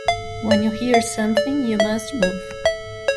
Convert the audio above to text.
When you hear something, you must move.